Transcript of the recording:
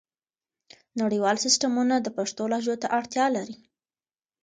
نړیوال سیسټمونه د پښتو لهجو ته اړتیا لري.